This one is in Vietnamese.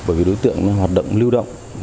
bởi vì đối tượng hoạt động lưu động